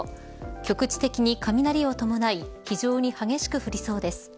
局地的に雷を伴い非常に激しく降りそうです。